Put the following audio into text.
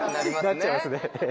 なっちゃいますね。